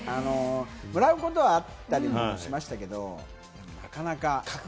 もらうことはあったりもしましたけど、なかなか。